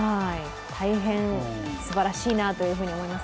大変すばらしいなと思います。